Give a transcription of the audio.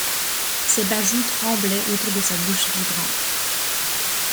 Ses bajoues tremblaient autour de sa bouche vibrante.